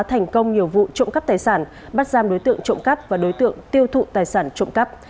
thành công nhiều vụ trộm cắp tài sản bắt giam đối tượng trộm cắp và đối tượng tiêu thụ tài sản trộm cắp